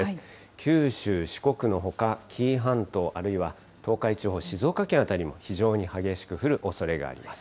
九州、四国のほか、紀伊半島、あるいは東海地方、静岡県辺りも非常に激しく降るおそれがあります。